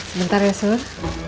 sebentar ya sur